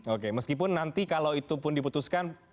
oke meskipun nanti kalau itu pun diputuskan